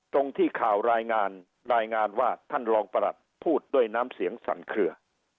ตรงที่ข่าวรายงานรายงานว่าท่านรองประหลัดพูดด้วยน้ำเสียงสั่นเคลือ